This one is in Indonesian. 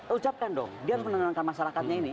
ucapkan dong dia harus menenangkan masyarakatnya ini